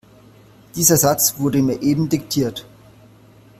Dieser Satz wurde mir eben diktiert.